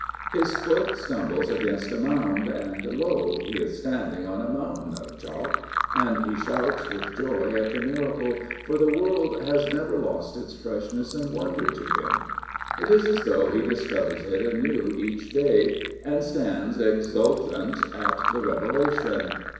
His foot stumbles against a mound, and lol he is standing on a mountain of chalk, and he shouts with joy at the miracle, for the world has never lost its freshness and wonder to him. It is as though he discovers it anew each day, and stands exultant at the revelation.